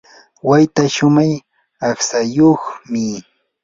wayta shumaq aqtsayuqmi.